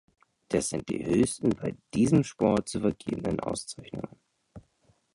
Das sind die höchsten bei diesem Sport zu vergebenden Auszeichnungen.